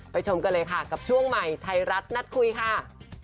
ชมกันเลยค่ะกับช่วงใหม่ไทยรัฐนัดคุยค่ะ